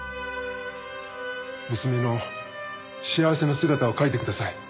娘の幸せな姿を描いてください。